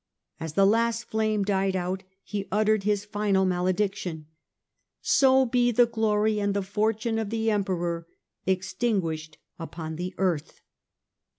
As the last flame died out he uttered his final malediction :" So be the glory and the fortune of the Emperor ex tinguished upon the earth."